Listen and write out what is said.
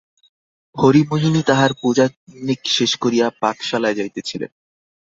হরিমোহিনী তাঁহার পূজাহ্নিক শেষ করিয়া পাকশালায় যাইতেছিলেন।